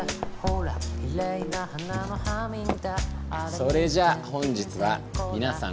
それじゃあ本日はみなさん